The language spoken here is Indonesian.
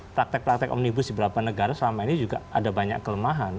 praktek praktek omnibus di beberapa negara selama ini juga ada banyak kelemahan